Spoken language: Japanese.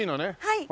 はい。